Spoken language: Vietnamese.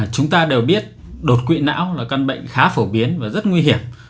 chúng ta đều biết đột quỵ não là căn bệnh khá phổ biến và rất nguy hiểm